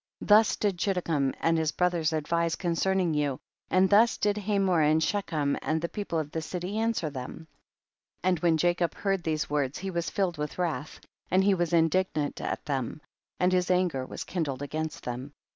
Thus did Chiddekem and his brothers advise concerning you, and thus did Hamor and Shechem and the people of the city answer them. 22. And when Jacob heard these words he was filled with wrath, and he was indignant at them, and his an ger was kindled against them.